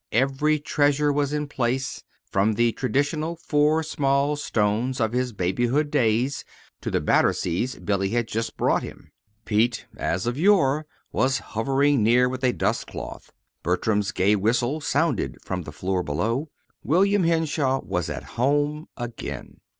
Every treasure was in place, from the traditional four small stones of his babyhood days to the Batterseas Billy had just brought him. Pete, as of yore, was hovering near with a dust cloth. Bertram's gay whistle sounded from the floor below. William Henshaw was at home again.